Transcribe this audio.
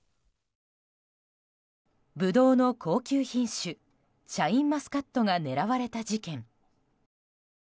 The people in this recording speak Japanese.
ブドウの高級品種シャインマスカットが狙われた事件。